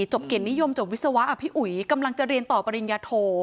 เกียรตินิยมจบวิศวะพี่อุ๋ยกำลังจะเรียนต่อปริญญาโท